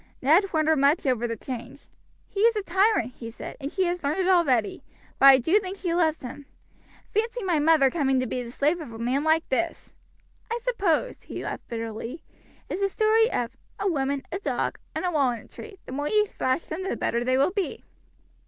Ned wondered much over the change. "He is a tyrant," he said, "and she has learned it already; but I do think she loves him. Fancy my mother coming to be the slave of a man like this! I suppose," he laughed bitterly, "it's the story of 'a woman, a dog, and a walnut tree, the more you thrash them the better they will be.'